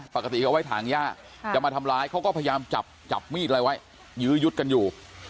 ปกติเขาไว้ถางย่าจะมาทำร้ายเขาก็พยายามจับจับมีดอะไรไว้ยื้อยุดกันอยู่